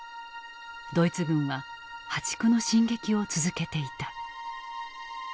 ドイツ軍は破竹の進撃を続けていた。